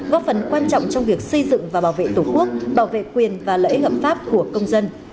góp phần quan trọng trong việc xây dựng và bảo vệ tổ quốc bảo vệ quyền và lợi ích hợp pháp của công dân